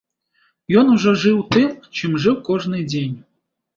Ён ужо жыў тым, чым жыў кожны дзень.